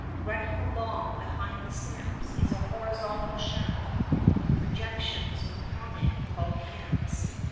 Running along behind these stamps is a horizontal shaft with projections upon it called cams.